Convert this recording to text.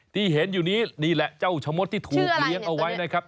ที่เห็นอยู่นี้นี่แหละเจ้าชะมดที่ถูกเลี้ยงเอาไว้นะครับ